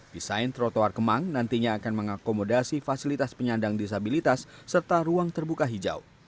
desain trotoar kemang nantinya akan mengakomodasi fasilitas penyandang disabilitas serta ruang terbuka hijau